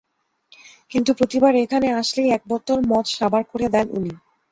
কিন্তু প্রতিবার এখানে আসলেই এক বোতল মদ সাবাড় করে দেন উনি।